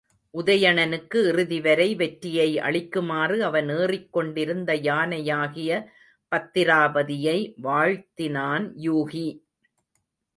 உதயணனுக்கு இறுதிவரை வெற்றியை அளிக்குமாறு அவன் ஏறிக் கொண்டிருந்த யானையாகிய பத்திராபதியை வாழ்த்தினான் யூகி.